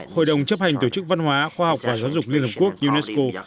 hội đồng chấp hành tổ chức văn hóa khoa học và giáo dục liên hợp quốc unesco